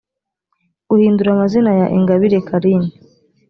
guhindura amazina ya ingabire carine